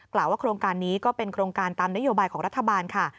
ว่าโครงการนี้ก็เป็นโครงการตามนโยบายของรัฐบาลค่ะ